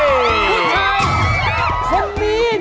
คุณแคลรอนครับ